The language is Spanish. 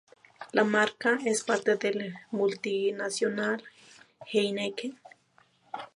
La marca es parte de la multinacional Heineken.